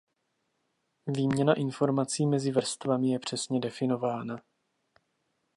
Výměna informací mezi vrstvami je přesně definována.